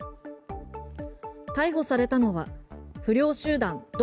逮捕されたのは不良集団、怒